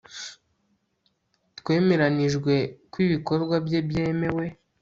Twemeranijwe ko ibikorwa bye byemewe